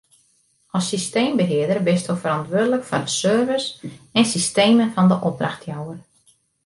As systeembehearder bisto ferantwurdlik foar de servers en systemen fan de opdrachtjouwer.